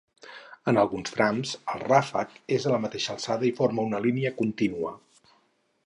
En alguns trams el ràfec és a la mateixa alçada i forma una línia contínua.